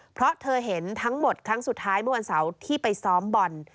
เพราะเธอเห็นทั้งหมดครั้งสุดท้ายเมื่อวันเสาร์ที่ไปซ้อมบอล